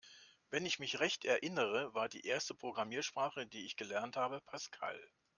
Wenn ich mich recht erinnere, war die erste Programmiersprache, die ich gelernt habe, Pascal.